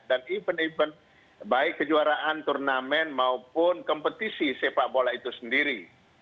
dan event event baik kejuaraan turnamen maupun kompetisi sepak bola itu sendiri